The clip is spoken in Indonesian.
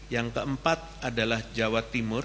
yang keempat adalah jawa timur